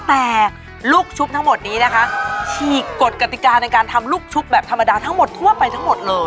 แต่ลูกชุบทั้งหมดนี้นะคะฉีกกฎกติกาในการทำลูกชุบแบบธรรมดาทั้งหมดทั่วไปทั้งหมดเลย